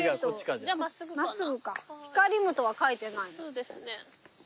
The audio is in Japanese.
そうですね。